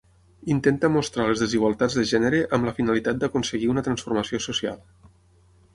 Intenta mostrar les desigualtats de gènere amb la finalitat d'aconseguir una transformació social.